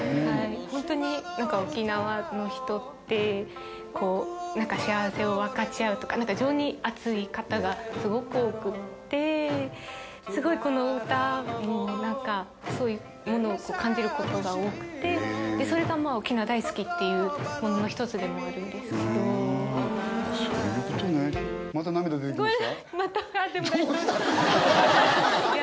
ホントに沖縄の人って幸せを分かち合うとか情に厚い方がすごく多くってすごいこの歌も何かそういうものを感じることが多くてそれが沖縄大好きっていうものの１つでもあるんですけどそういうことねごめんなさい